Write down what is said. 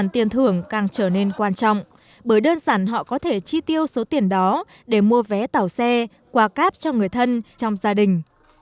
tiền thưởng càng trở nên quan trọng bởi đơn giản họ có thể chi tiêu số tiền đó để mua vé tàu xe qua cáp cho người thân trong gia đình